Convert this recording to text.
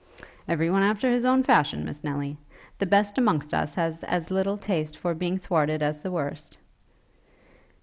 'Every one after his own fashion, Miss Nelly. The best amongst us has as little taste for being thwarted as the worst.